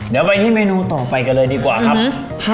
เดี๋ยวไปที่เมนูต่อไปกันเลยดีกว่าครับ